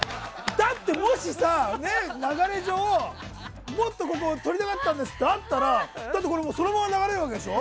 だって、もしさ、流れ上もっとここ撮りたかったんですってあったらそのまま流れるでしょ？